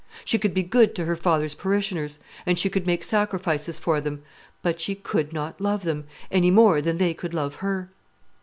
She could be good to her father's parishioners, and she could make sacrifices for them; but she could not love them, any more than they could love her.